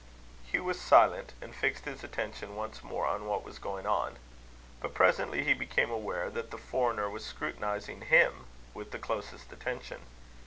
Hugh was silent, and fixed his attention once more on what was going on. But presently he became aware that the foreigner was scrutinizing him with the closest attention.